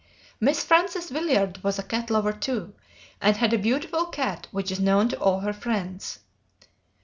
Miss Frances Willard was a cat lover, too, and had a beautiful cat which is known to all her friends.